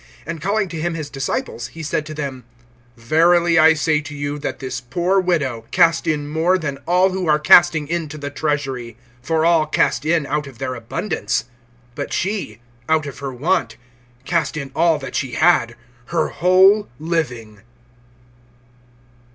(43)And calling to him his disciples, he said to them: Verily I say to you, that this poor widow cast in more than all who are casting into the treasury. (44)For all cast in out of their abundance; but she, out of her want, cast in all that she had, her whole living.